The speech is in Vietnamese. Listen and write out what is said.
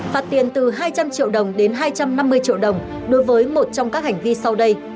phạt tiền từ hai trăm linh triệu đồng đến hai trăm năm mươi triệu đồng đối với một trong các hành vi sau đây